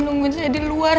nungguin saya di luar